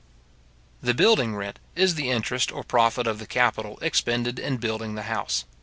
The building rent is the interest or profit of the capital expended in building the house.